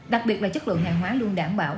đặc biệt là chất lượng hàng hóa luôn đảm bảo